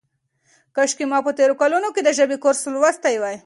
کاشکې ما په تېرو کلونو کې د ژبې کورس لوستی وای.